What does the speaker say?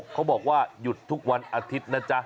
เขาบอกว่าหยุดทุกวันอาทิตย์นะจ๊ะ